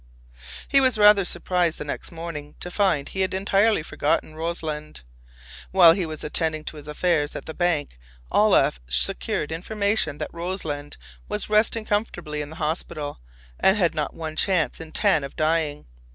He was rather surprised the next morning to find he had entirely forgotten Rossland. While he was attending to his affairs at the bank, Olaf secured information that Rossland was resting comfortably in the hospital and had not one chance in ten of dying.